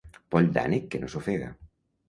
Poll d'ànec que no s'ofega.